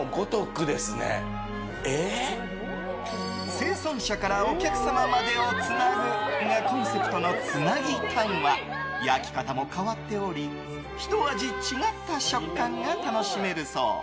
生産者からお客様までをつなぐがコンセプトの繋ぎタンは焼き方も変わっておりひと味違った食感が楽しめるそう。